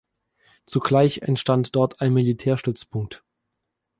Zugleich entstand dort ein Militärstützpunkt.